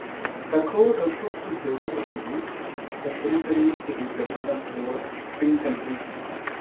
The core refers to developed countries, the periphery to the dependent developing countries.